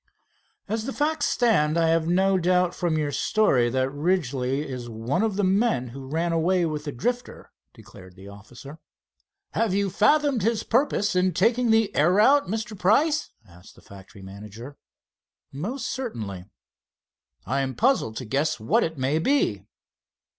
"As the facts stand, I have no doubt from your story that Ridgely is one of the men who ran away with the Drifter," declared the officer. "Have you fathomed his purpose in taking the air route, Mr. Price?" asked the factory manager. "Most certainly." "I am puzzled to guess what it may be."